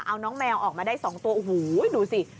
เอาน้องแมวออกมาได้๒ตัวโอ้โหดูสิ